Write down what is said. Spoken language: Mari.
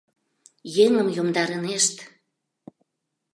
— Еҥым йомдарынешт...